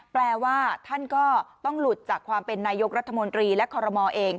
แปลว่าท่านก็ต้องหลุดจากความเป็นนายกรัฐมนตรีและคอรมอลเอง